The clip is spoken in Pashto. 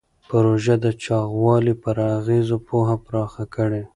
پروژه د چاغوالي پر اغېزو پوهه پراخه کړې.